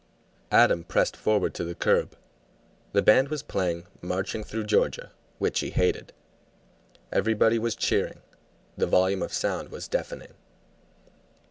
Adam pressed forward to the curb. The band was playing "Marching Through Georgia," which he hated; everybody was cheering. The volume of sound was deafening.